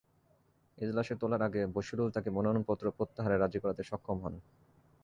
এজলাসে তোলার আগে বশিরুল তাঁকে মনোনয়নপত্র প্রত্যাহারে রাজি করাতে সক্ষম হন।